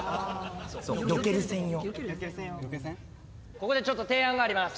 ここでちょっと提案があります。